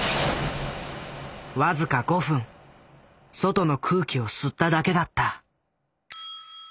僅か５分外の空気を吸っただけだった。